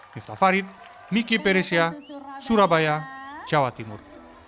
miftah farid miki peresia surabaya jawa timur